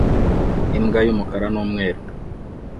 Imbwa y'umukara n'umweru